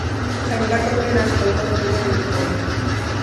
Gainerako trenak ohiko ordutegian ibiliko dira.